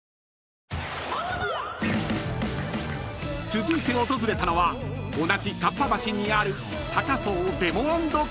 ［続いて訪れたのは同じかっぱ橋にある］